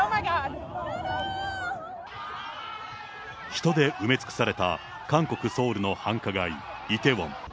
人で埋め尽くされた韓国・ソウルの繁華街、イテウォン。